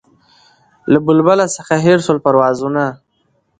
له بلبله څخه هېر سول پروازونه